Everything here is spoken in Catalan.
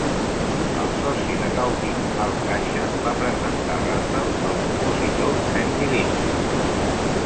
El soci de Gaudio, Al Kasha, va presentar Randell al compositor Sandy Linzer.